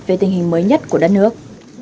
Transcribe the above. về tình hình mới nhất của đất nước